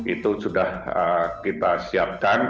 itu sudah kita siapkan